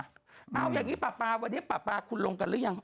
เอาอย่างนี้ป๊าวันนี้ป่าปลาคุณลงกันหรือยัง